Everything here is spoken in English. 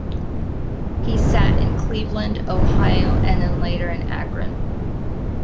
He sat in Cleveland, Ohio and then later in Akron.